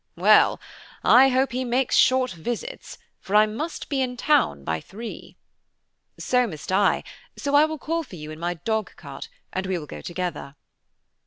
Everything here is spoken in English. "Well, I hope he makes short visits, for I must be in town by three." "So must I, so I will call for you in my dog cart, and we will go together."